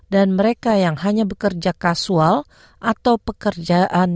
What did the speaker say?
dan mereka yang hanya bekerja kasual atau pekerjaan